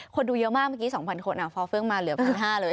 ดูเยอะมากเมื่อกี้๒๐๐คนพอเฟื่องมาเหลือ๑๕๐๐เลย